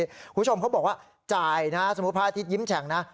คุณผู้ชมเขาบอกว่าจ่ายนะสมมุติพระอาทิตยิ้มแฉ่งนะ